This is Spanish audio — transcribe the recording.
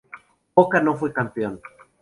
Boca no fue campeón.